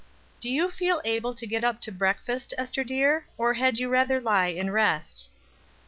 "Do you feel able to get up to breakfast, Ester dear, or had you rather lie and rest?"